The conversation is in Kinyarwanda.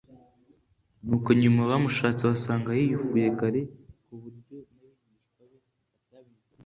Nuko nyuma bamushatse, basanga yiyufuye kare ku buryo n'abigishwa be batamenye igihe yagendeye.